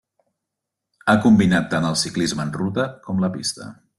Ha combinat tant el ciclisme en ruta com la pista.